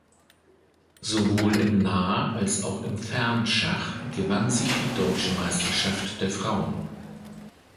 Sowohl im Nah- als auch im Fernschach gewann sie die Deutsche Meisterschaft der Frauen.